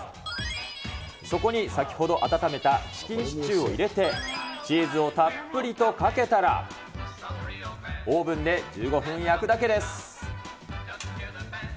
そこに先ほど温めたチキンシチューを入れて、チーズをたっぷりとかけたら、オーブンで１５分焼くだけです。